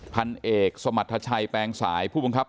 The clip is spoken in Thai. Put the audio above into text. พันเอกสมรรถชัยแปลงสายผู้บังคับ